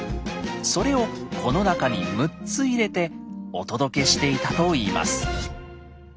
それをこの中に６つ入れてお届けしていたといいます。